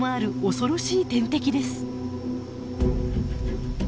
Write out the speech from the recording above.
恐ろしい天敵です。